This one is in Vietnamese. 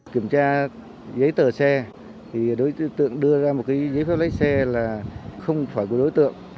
kiểm tra giấy tờ xe thì đối tượng đưa ra một giấy phép lấy xe là không phải của đối tượng